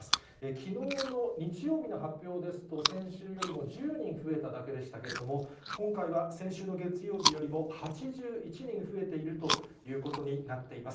きのうの日曜日の発表ですと、先週よりも１０人増えただけでしたけれども、今回は先週の月曜日よりも、８１人増えているということになっています。